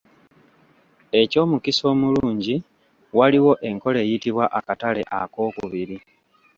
Eky'omukisa omulungi waliwo enkola eyitibwa Akatale Ak'okubiri.